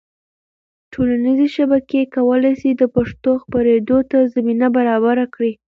ټولنیزې شبکې کولی سي د پښتو خپرېدو ته زمینه برابره کړي.